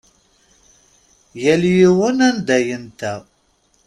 Yal yiwen anda yenta.